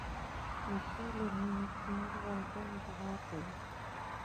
نیکه له نیکمرغه ژوند دعا کوي.